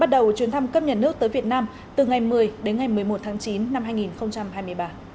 bắt đầu chuyến thăm cấp nhà nước tới việt nam từ ngày một mươi đến ngày một mươi một tháng chín năm hai nghìn hai mươi ba